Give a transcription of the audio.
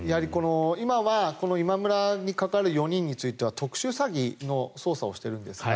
今は今村にかかる４人については特殊詐欺の捜査をしているんですが